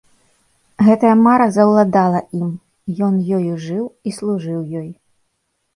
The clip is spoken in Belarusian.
Гэтая мара заўладала ім, ён ёю жыў і служыў ёй.